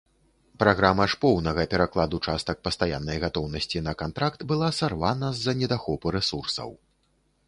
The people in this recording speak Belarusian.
Праграма ж поўнага перакладу частак пастаяннай гатоўнасці на кантракт была сарвана з-за недахопу рэсурсаў.